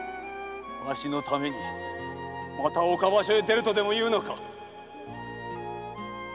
〔わしのためにまた岡場所へ出るとでもいうのか〕